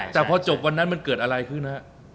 แต่พอจบวันนั้นมันเกิดอะไรขึ้นฮะ